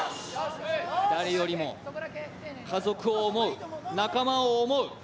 誰よりも家族を思う、仲間を思う。